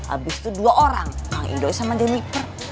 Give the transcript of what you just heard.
habis itu dua orang kang idoi sama demi per